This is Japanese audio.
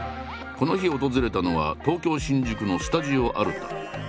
この日訪れたのは東京・新宿のスタジオアルタ。